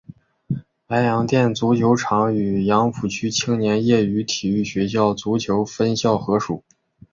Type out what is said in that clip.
白洋淀足球场与杨浦区青少年业余体育学校足球分校合署。